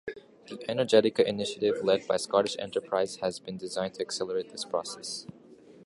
The "Energetica" initiative led by Scottish Enterprise has been designed to accelerate this process.